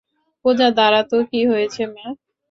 পূজা, দাড়া তো, কি হয়েছে মা?